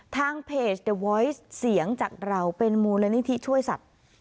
ทางเพจเดอร์วอยซ์เสียงจากเราเป็นมูลนิธิช่วยสัตว์